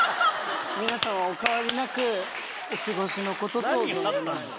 皆様お変わりなくお過ごしのことと存じます」。